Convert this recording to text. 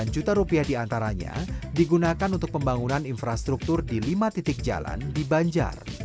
satu ratus enam puluh delapan juta rupiah diantaranya digunakan untuk pembangunan infrastruktur di lima titik jalan di banjar